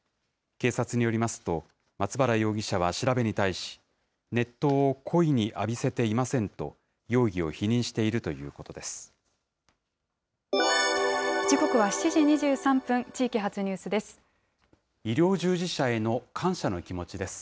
警察によりますと、松原容疑者は調べに対し、熱湯を故意に浴びせていませんと、容疑を否認しているということです。